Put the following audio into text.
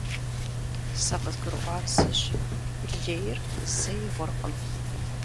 Сэ къызгурыӀуар зыщ: лейр зэи гъуркъым.